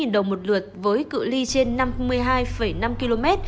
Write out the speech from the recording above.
một trăm sáu mươi đồng một lượt với cự li trên năm mươi hai năm km